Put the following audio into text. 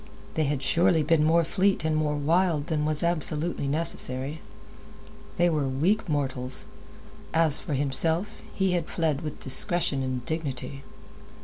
They had surely been more fleet and more wild than was absolutely necessary. They were weak mortals. As for himself, he had fled with discretion and dignity.